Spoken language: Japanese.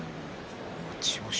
千代翔